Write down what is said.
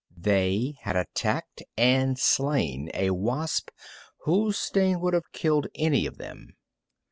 They had attacked and slain a wasp whose sting would have killed any of them.